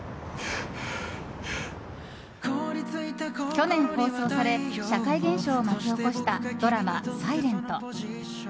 去年放送され社会現象を巻き起こしたドラマ「ｓｉｌｅｎｔ」。